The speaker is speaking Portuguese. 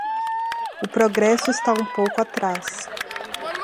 O progresso está um pouco atrás